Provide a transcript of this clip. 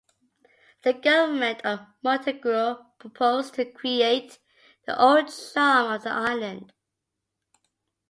The Government of Montenegro proposed to recreate the old charm of the island.